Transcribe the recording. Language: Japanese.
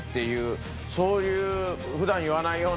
そういう。